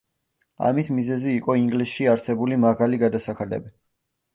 ამის მიზეზი იყო ინგლისში არსებული მაღალი გადასახადები.